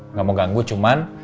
nggak mau ganggu cuma